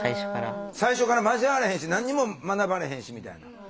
最初から交われへんし何にも学ばれへんしみたいな？